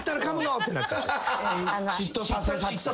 嫉妬させ作戦。